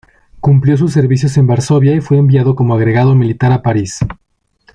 Cumplió sus servicios en Varsovia y fue enviado como agregado militar a París.